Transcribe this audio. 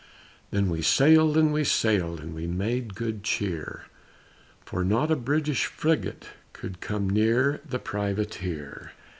Then we sailed and we sailed And we made good cheer, For not a British frigate Could come near the Privateer.